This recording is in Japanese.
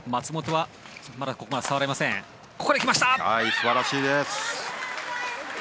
素晴らしいです。